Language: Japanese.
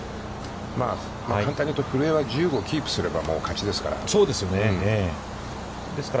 簡単に言うと古江は、１５をキープすれば勝ちですから。